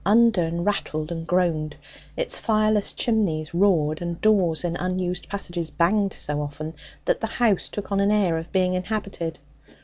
Undern rattled and groaned; its fireless chimneys roared, and doors in unused passages banged so often that the house took on an air of being inhabited.